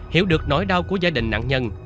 hiểu được nỗi đau của gia đình nạn nhân